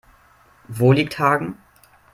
Wo liegt Hagen?